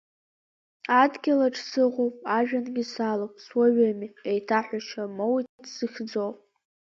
Адгьылаҿ сыҟоуп, ажәҩангьы салоуп, суаҩыми, еиҭаҳәашьа амоуит сзыхьӡо.